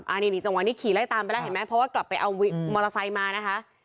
อันนี้นี่จังหวะนี้ขี่ไล่ตามไปแล้วเห็นไหมเพราะว่ากลับไปเอามอเตอร์ไซค์มานะคะ